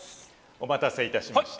お待たせいたしました。